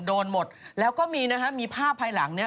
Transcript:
โดนหมดแล้วก็มีภาพภายหลังนี้